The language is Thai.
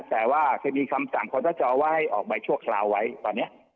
แต่ว่าเคยมีคำสั่งคอทจอว่าให้ออกใบชั่วคราวไว้ตอนนี้